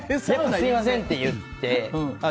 すみませんって言って。